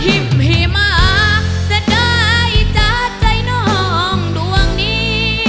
ย้อนทิ้งให้มาสะดายจ้าใจน้องหน่วงนี้